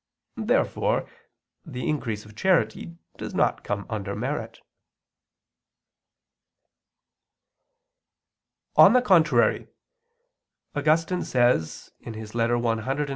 Therefore the increase of charity does not come under merit. On the contrary, Augustine says (super Ep. Joan.; cf. Ep.